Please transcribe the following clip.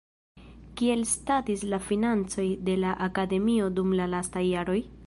Kiel statis la financoj de la Akademio dum la lastaj jaroj?